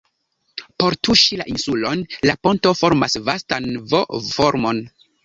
Por tuŝi la insulon la ponto formas vastan V-formon.